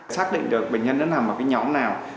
xác định được bệnh nhân đang làm một cái nhóm nào